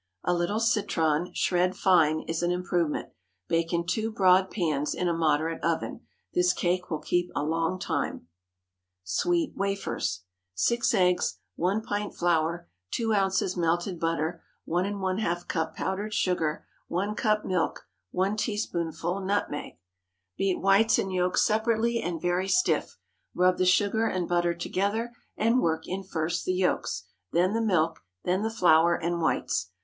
A little citron, shred fine, is an improvement. Bake in two broad pans, in a moderate oven. This cake will keep a long time. SWEET WAFERS. 6 eggs. 1 pint flour. 2 oz. melted butter. 1½ cup powdered sugar. 1 cup milk. 1 teaspoonful nutmeg. Beat whites and yolks separately and very stiff, rub the sugar and butter together, and work in first the yolks, then the milk, then the flour and whites.